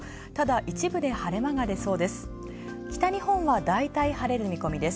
一部で晴れ間が出そうです。